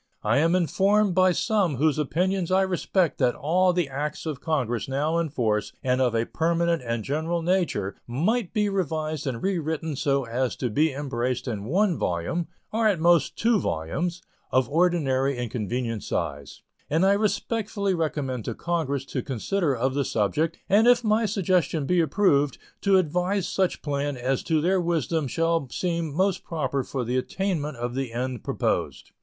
I am informed by some whose opinions I respect that all the acts of Congress now in force and of a permanent and general nature might be revised and rewritten so as to be embraced in one volume (or at most two volumes) of ordinary and convenient size; and I respectfully recommend to Congress to consider of the subject, and if my suggestion be approved to devise such plan as to their wisdom shall seem most proper for the attainment of the end proposed.